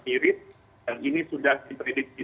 mirip yang ini sudah diprediksi